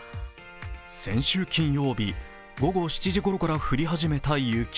先週金曜日、午後７時ごろから降り始めた雪。